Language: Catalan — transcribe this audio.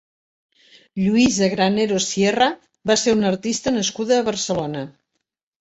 Lluïsa Granero Sierra va ser una artista nascuda a Barcelona.